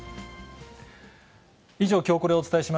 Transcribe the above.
以上、きょうコレをお伝えし